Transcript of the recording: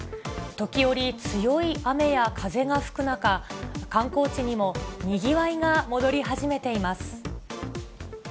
時折、強い雨や風が吹く中、観光地にもにぎわいが戻り始めています。